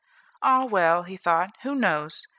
"Ah! well," he thought, "who knows?